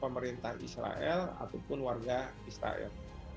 pemerintah israel ataupun warga israel